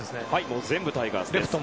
全部タイガースです。